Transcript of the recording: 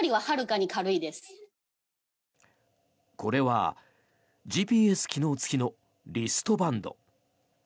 これはＧＰＳ機能付きのリストバンド。